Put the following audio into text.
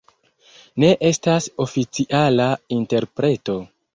Ne estas oficiala interpreto.